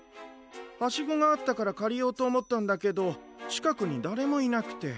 ハシゴがあったからかりようとおもったんだけどちかくにだれもいなくて。